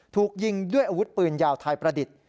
ถูกยิงด้วยอาวุธปืนยาวไทยประดิษฐ์